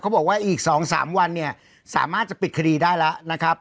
บอกว่าอีก๒๓วันเนี่ยสามารถจะปิดคดีได้แล้วนะครับ